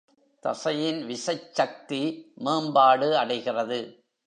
தசையின் விசைச் சக்தி மேம்பாடு அடைகிறது.